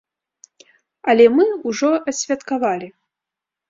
Але мы ўжо адсвяткавалі.